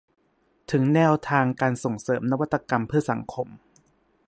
ถึงแนวทางการส่งเสริมนวัตกรรมเพื่อสังคม